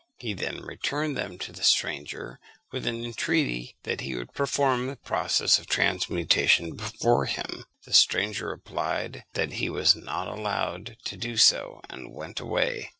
He then returned them to the stranger, with an entreaty that he would perform the process of transmutation before him. The stranger replied, that he was not allowed to do so, and went away.